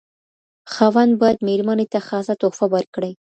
خاوند بايد ميرمني ته خاصه تحفه ورکړي.